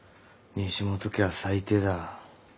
西本家は最低だ。